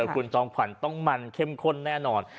คุณจอมขวัญต้องมันเข้มข้นแน่นอน